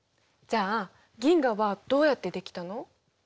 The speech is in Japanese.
じゃあ銀河はどうやって出来たの？